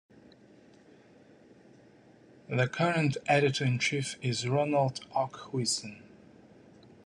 The current editor in chief is Ronald Ockhuysen.